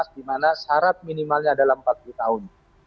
dimana syarat minimalnya adalah empat puluh tahun